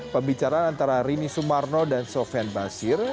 pembicaraan antara rini sumarno dan sofian basir